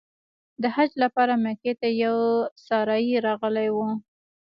د حج لپاره مکې ته یو سارایي راغلی و.